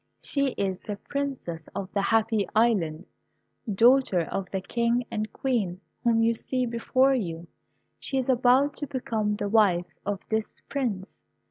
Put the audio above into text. She is the Princess of the Happy Island, daughter of the King and Queen whom you see before you. She is about to become the wife of this Prince.